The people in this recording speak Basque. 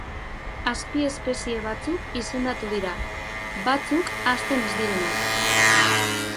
Azpiespezie batzuk izendatu dira; batzuk hazten ez direnak.